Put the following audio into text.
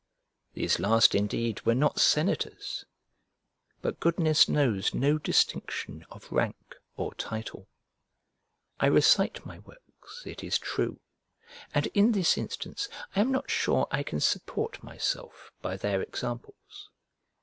These last indeed were not senators, but goodness knows no distinction of rank or title. I recite my works, it is true, and in this instance I am not sure I can support myself by their examples.